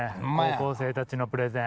高校生たちのプレゼン。